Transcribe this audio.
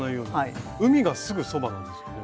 海がすぐそばなんですよね。